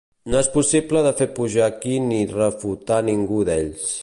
No és possible de fer pujar aquí ni de refutar ningú d'ells